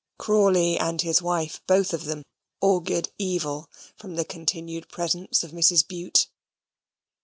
Crawley and his wife both of them augured evil from the continued presence of Mrs. Bute.